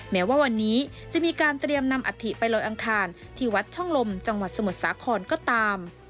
แม้ว่าวันนี้จะมีการเตรียมนำอัฐิไปลอยอังคารที่วัดช่องลมจังหวัดสมุทรสาครก็ตาม